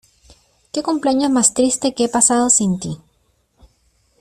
Qué cumpleaños más triste que he pasado sin ti.